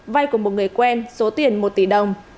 vay của một người quen số tiền một tỷ đồng